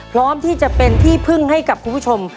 พร้อมที่จะเป็นที่พึ่งให้กับคุณผู้ชม